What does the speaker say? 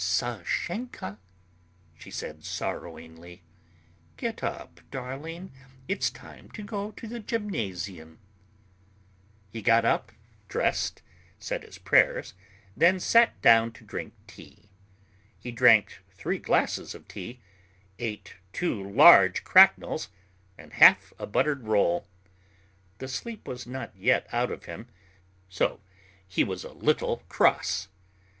"Sashenka," she said sorrowingly, "get up, darling. It's time to go to the gymnasium." He got up, dressed, said his prayers, then sat down to drink tea. He drank three glasses of tea, ate two large cracknels and half a buttered roll. The sleep was not yet out of him, so he was a little cross.